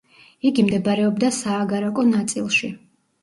იგი მდებარეობდა სააგარაკო ნაწილში.